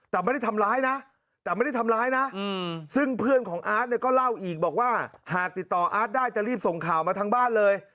แต่ไม่ได้ทำร้ายนะแต่ไม่ได้ทำร้ายนะซึ่งเพื่อนของอาร์ตเนี่ยก็เล่าอีกบอกว่าหากติดต่ออาร์ตได้จะรีบส่งข่าวมาทั้งบ้านเลย